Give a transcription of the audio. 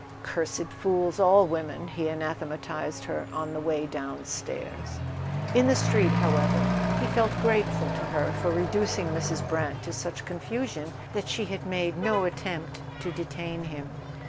"Cursed fools—all women," he anathematized her on the way downstairs. In the street, however, he felt grateful to her for re¬ ducing Mrs. Brant to such confusion that she had made no attempt to detain him.